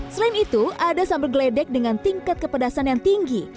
selain itu ada sambal geledek dengan tingkat kepedasan yang tinggi